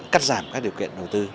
cắt giảm các điều kiện đầu tư